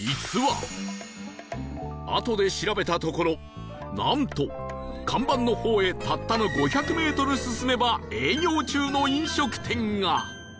あとで調べたところなんと看板の方へたったの５００メートル進めば営業中の飲食店が！